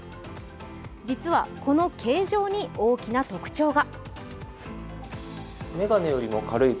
実はこの形状に大きな特徴が。